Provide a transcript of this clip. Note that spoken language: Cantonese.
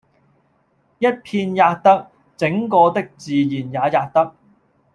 一片喫得，整個的自然也喫得。